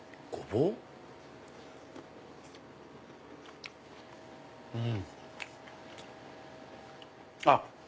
うん！あっ！